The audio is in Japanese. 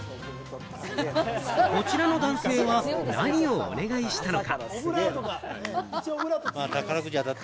こちらの男性は何をお願いしたのか？